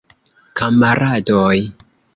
Kamaradoj!